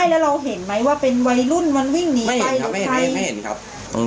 ไม่แล้วเราเห็นมั้ยว่าเป็นวัยรุ่นมันวิ่งหนีไปหรือใครไม่เห็นครับไม่เห็นครับ